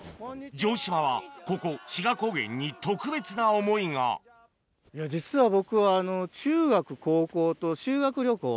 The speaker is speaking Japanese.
城島はここ志賀高原に特別な思いが実は僕。